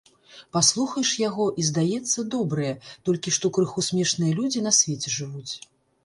Паслухаеш яго, і здаецца, добрыя, толькі што крыху смешныя людзі на свеце жывуць.